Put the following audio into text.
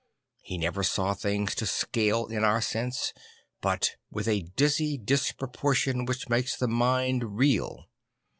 He never saw things to scale in our sense, but with a dizzy disproportion which makes the mind reel.